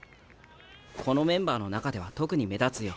このメンバーの中では特に目立つよ。